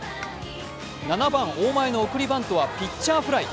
７番・大前の送りバントはピッチャーフライ。